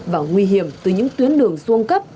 và nguy hiểm từ những tuyến đường xuân cấp